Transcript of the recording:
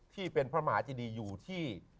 ที่เป็นพระมหาเจดีอยู่ที่